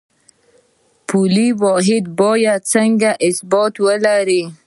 پولي واحد باید څنګه ثبات ولري؟